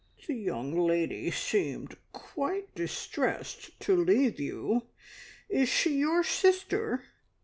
"The young lady seemed quite distressed to leave you. Is she your sister?"